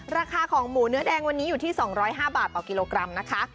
ราคาของหมูเนื้อแดงวันนี้อยู่ที่๒๐๕บาทต่อกิโลกรัมนะคะ